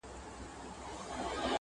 د ړندو په ښار کي وېش دی چي دا چور دی!!